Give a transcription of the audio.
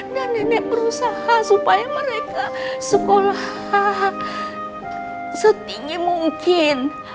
dan nenek berusaha supaya mereka sekolah setinggi mungkin